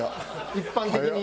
一般的に。